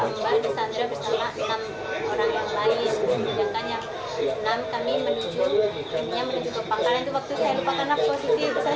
kepala bapaknya berkata